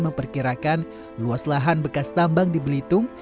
memperkirakan luas lahan bekas tambang di belitung